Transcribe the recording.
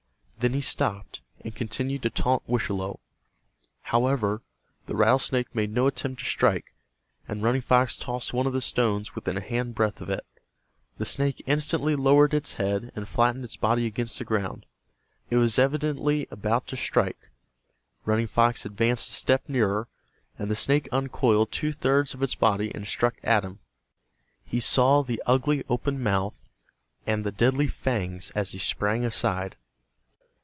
Then he stopped, and continued to taunt Wischalowe. However, the rattlesnake made no attempt to strike, and Running Fox tossed one of the stones within a hand breadth of it. The snake instantly lowered its head and flattened its body against the ground—it was evidently about to strike. Running Fox advanced a step nearer, and the snake uncoiled two thirds of its body and struck at him. He saw the ugly open mouth and the deadly fangs as he sprang aside.